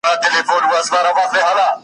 چي فرعون غوندي په خپل قدرت نازیږي .